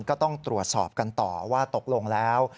ก็ต้องตรวจสอบกันต่อว่าตกลงแล้ว